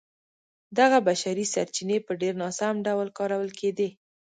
دغه بشري سرچینې په ډېر ناسم ډول کارول کېدې.